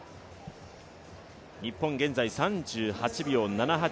日本、現在、３８秒７８。